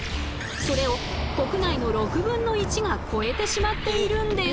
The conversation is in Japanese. それを国内の６分の１が超えてしまっているんです。